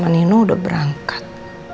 papa nino sudah berangkat